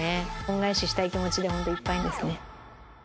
恩返ししたい気持ちで本当いっぱいですね。